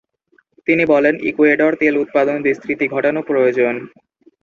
তিনি বলেন, ইকুয়েডর তেল উৎপাদন বিস্তৃতি ঘটানো প্রয়োজন।